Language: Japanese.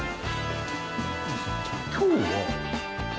今日はあ。